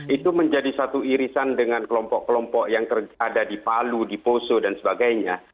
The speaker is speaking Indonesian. itu menjadi satu irisan dengan kelompok kelompok yang ada di palu di poso dan sebagainya